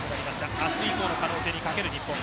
明日以降の可能性に懸ける日本。